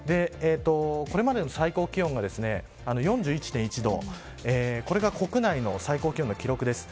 これまでの最高気温が４１．１度これが国内の最高気温の記録です。